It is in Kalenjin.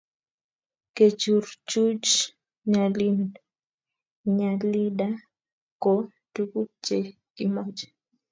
kechurchuch nyalida ko tukuk che kimoche